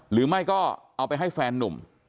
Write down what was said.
หรือไม่ก็เอาไปให้แฟนนุ่ม